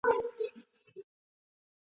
له قرنونو له پېړیو لا لهانده سرګردان دی `